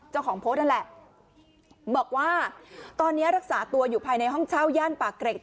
เจ้าของโพสต์นั่นแหละบอกว่าตอนนี้รักษาตัวอยู่ภายในห้องเช่าย่านปากเกร็ด